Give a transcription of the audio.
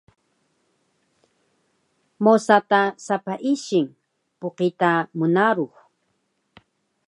mosa ta sapah ising pqita mnarux